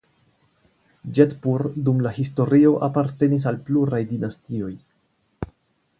Ĝetpur dum la historio apartenis al pluraj dinastioj.